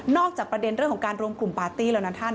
จากประเด็นเรื่องของการรวมกลุ่มปาร์ตี้แล้วนะท่าน